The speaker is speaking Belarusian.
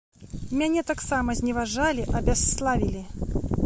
Мяне таксама зневажалі, абясславілі.